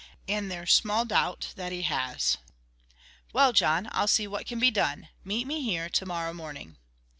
And there's small doubt that he has. Well, John, I'll see what can be done. Meet me here to morrow morning."